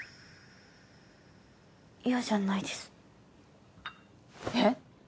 嫌じゃないですえっ？